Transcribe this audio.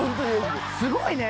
すごいね！